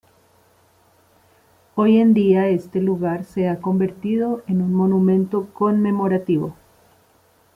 Hoy en día este lugar se ha convertido en un monumento conmemorativo.